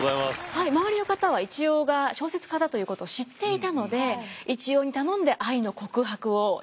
はい周りの方は一葉が小説家だということを知っていたので一葉に頼んで愛の告白をしていました。